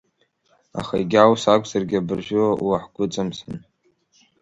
Аха егьа ус акәзаргьы, абыржәы уаҳгәыҵамсын.